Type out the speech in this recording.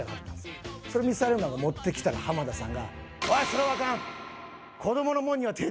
それミサイルマンが持ってきたら浜田さんが。